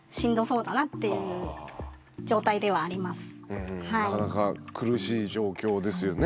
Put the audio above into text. うんなかなか苦しい状況ですよね。